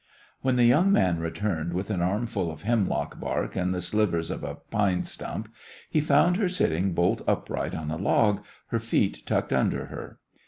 When the young man returned with an armful of hemlock bark and the slivers of a pine stump, he found her sitting bolt upright on a log, her feet tucked under her.